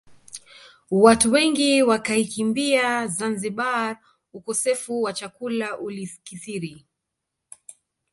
Watu wengi wakaikimbia Zanzibar ukosefu wa chakula ulikithiri